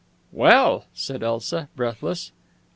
_ "Well!" said Elsa, breathless.